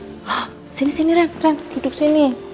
hah sini sini ren ren duduk sini